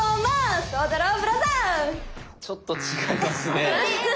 ちょっと違いますね。